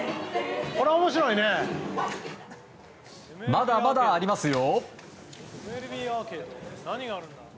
まだまだありますよ。